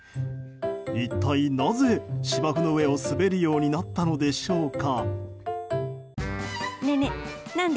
一体なぜ芝生の上を滑るようになったんでしょうか。